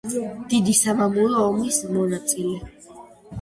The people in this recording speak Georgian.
დიდი სამამულო ომის მონაწილე.